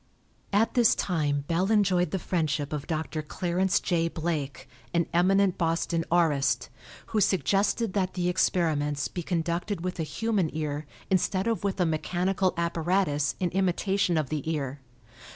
At this time Bell enjoyed the friendship of Dr. Clarence J. Blake, an eminent Boston aurist, who suggested that the experiments be conducted with a human ear instead of with a mechanical apparatus in imitation of the ear.